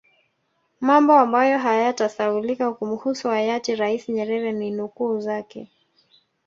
Mambo ambayo hayatasahaulika kumuhusu Hayati rais Nyerere ni nukuu zake